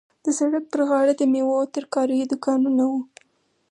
د سړک پر غاړه د میوو او ترکاریو دوکانونه وو.